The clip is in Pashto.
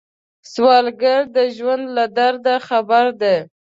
سوالګر د ژوند له درده خبر دی